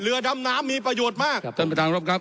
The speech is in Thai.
เรือดำน้ำมีประโยชน์มากท่านประธานครับครับ